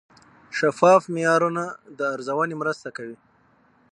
شفاف معیارونه د ارزونې مرسته کوي.